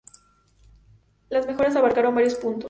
Las mejoras abarcaron varios puntos.